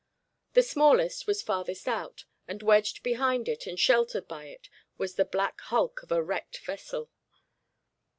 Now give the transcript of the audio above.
The smallest was farthest out, and wedged behind it and sheltered by it was the black hulk of a wrecked vessel.